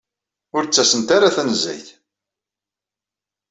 Ur d-ttasent ara tanezzayt.